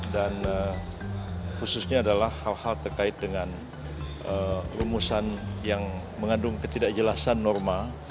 dan khususnya adalah hal hal terkait dengan rumusan yang mengandung ketidakjelasan norma